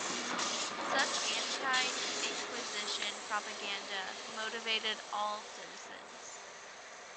Such anti-inquisition propaganda motivated "all" citizens.